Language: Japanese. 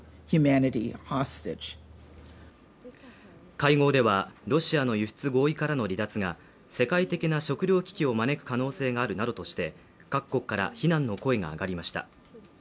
会合では、ロシアの輸出合意からの離脱が世界的な食料危機を招く可能性があるなどとして、各国から非難の声が上がりました。